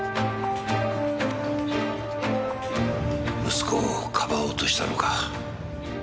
息子を庇おうとしたのか。